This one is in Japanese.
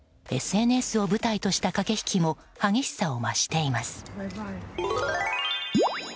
ＳＮＳを舞台とした駆け引きも激しさを増しています。